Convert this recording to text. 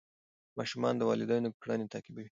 ماشومان د والدینو کړنې تعقیبوي.